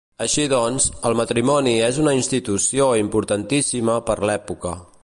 Així doncs, el matrimoni és una institució importantíssima per l'època.